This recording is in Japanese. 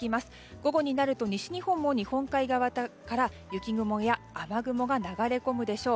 午後になると西日本の日本海側から雪雲や雨雲が流れ込むでしょう。